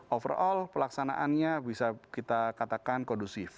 overall pelaksanaannya bisa kita katakan kondusif